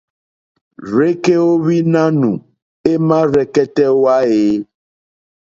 Rzeke o ohwi nanù ema rzekɛtɛ o wa e?